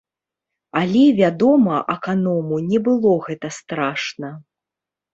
Але, вядома, аканому не было гэта страшна.